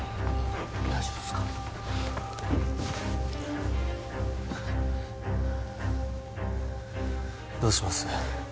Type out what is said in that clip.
大丈夫ですかどうします？